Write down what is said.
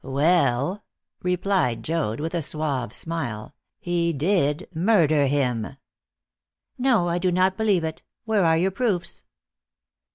"Well," replied Joad, with a suave smile, "he did murder him." "No; I do not believe it. Where are your proofs?"